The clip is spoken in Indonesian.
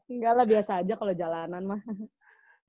enggak lah biasa aja kalau jalanan mah